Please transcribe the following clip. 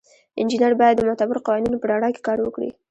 انجینر باید د معتبرو قوانینو په رڼا کې کار وکړي.